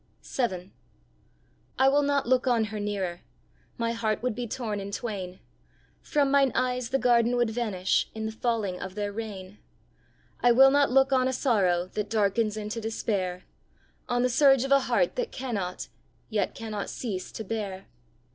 VII. I will not look on her nearer My heart would be torn in twain; From mine eyes the garden would vanish In the falling of their rain! I will not look on a sorrow That darkens into despair; On the surge of a heart that cannot Yet cannot cease to bear!